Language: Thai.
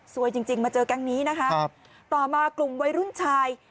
จริงจริงมาเจอแก๊งนี้นะคะต่อมากลุ่มวัยรุ่นชาย